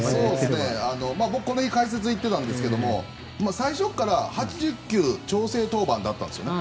僕、この日解説に行っていたんですが最初から８０球調整登板だったんですよね。